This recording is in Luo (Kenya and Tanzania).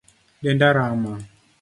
Denda rama